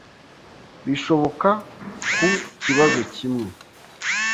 bishoboka ku kibazo kimwe.